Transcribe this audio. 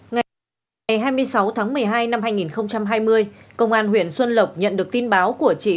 ngày hai mươi sáu tháng một mươi hai năm hai nghìn hai mươi công an huyện xuân lộc nhận được tin báo của chị